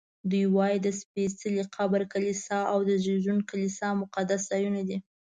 دوی وایي د سپېڅلي قبر کلیسا او د زېږون کلیسا مقدس ځایونه دي.